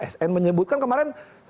sn menyebut kan kemarin